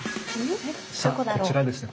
さあこちらですね